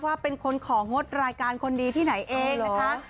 ว่าเป็นคนของงดรายการคนดีที่ไหนเองนะคะ